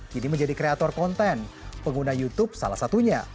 kini menjadi kreator konten pengguna youtube salah satunya